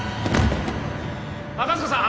赤塚さん？